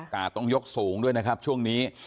กาดต้องยกสูงด้วยนะครับช่วงนี้